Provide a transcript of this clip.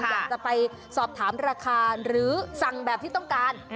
อยากจะไปสอบถามราคาหรือสั่งแบบที่ต้องการ